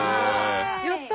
やった！